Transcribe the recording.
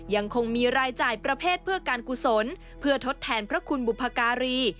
ยังคงมีรายจ่ายประเภทเพื่อการกุศลเพื่อทดแทนพระคุณบุพการี